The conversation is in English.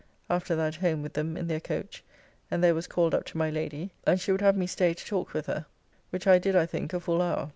After that home with them in their coach, and there was called up to my Lady, and she would have me stay to talk with her, which I did I think a full hour.